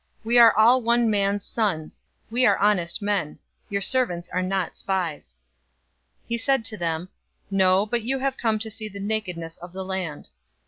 042:011 We are all one man's sons; we are honest men. Your servants are not spies." 042:012 He said to them, "No, but you have come to see the nakedness of the land."